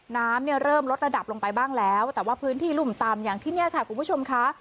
น้ำเนี่ยเริ่มลดระดับลงไปบ้างแล้วแต่ว่าพื้นที่รุ่มต่ำอย่างที่เนี่ยค่ะคุณผู้ชมค่ะ